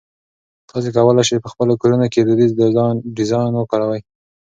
تاسي کولای شئ په خپلو کورونو کې دودیزه ډیزاین وکاروئ.